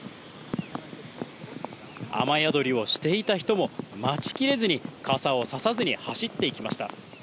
雨宿りをしていた人も、待ちきれずに傘を差さずに走っていきました。